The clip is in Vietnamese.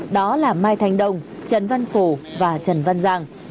đó là mai thành đông trần văn cổ và trần văn giang